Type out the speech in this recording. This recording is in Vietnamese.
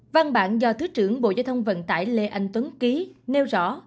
văn bản do thứ trưởng bộ giao thông vận tải lê anh tuấn ký nêu rõ